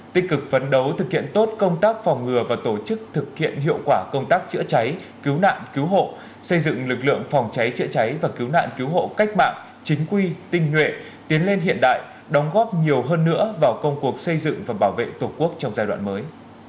tích cực vấn đấu thực hiện tốt công tác phòng ngừa và tổ chức thực hiện hiệu quả công tác chữa cháy cứu nạn cứu hộ xây dựng lực lượng phòng cháy chữa cháy và cứu nạn cứu hộ cách mạng chính quy tinh nguyện tiến lên hiện đại đóng góp nhiều hơn nữa vào công cuộc xây dựng và bảo vệ tổ quốc trong giai đoạn mới